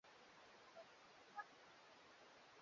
kama zifuatazo Uwepo wa makabila shupavu nchini